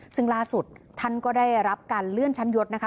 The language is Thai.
ซึ่งล่าสุดท่านก็ได้รับการเลื่อนชั้นยศนะคะ